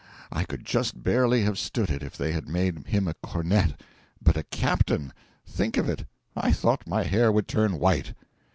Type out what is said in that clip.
I could just barely have stood it if they had made him a cornet; but a captain think of it! I thought my hair would turn white.